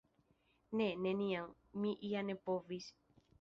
Ne, neniam, mi ja ne povis.